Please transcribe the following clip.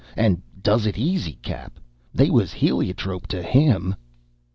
and does it easy Cap., they was heliotrope to HIM!"